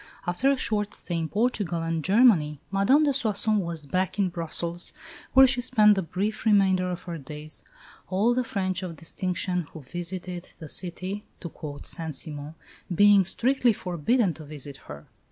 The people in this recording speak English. After a short stay in Portugal and Germany, Madame de Soissons was back in Brussels, where she spent the brief remainder of her days "all the French of distinction who visited the City" (to quote Saint Simon) "being strictly forbidden to visit her."